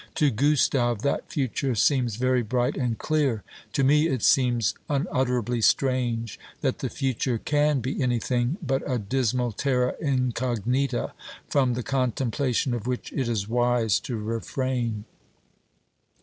To Gustave that future seems very bright and clear; to me it seems unutterably strange that the future can be anything but a dismal terra incognita, from the contemplation of which it is wise to refrain.